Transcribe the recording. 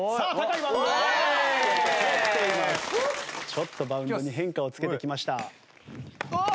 ちょっとバウンドに変化をつけてきました。